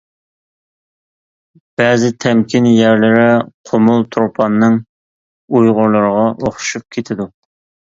بەزى تەمكىن يەرلىرى قومۇل-تۇرپاننىڭ ئۇيغۇرلىرىغا ئوخشىشىپ كېتىدۇ.